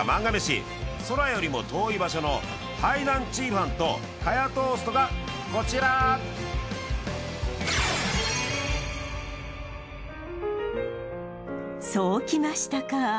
「宇宙よりも遠い場所」のハイナンチーファンとカヤトーストがこちらそうきましたか！